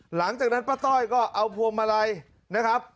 หลังจากนั้นป้าต้อยก็เอาพวงมาลัยนะครับ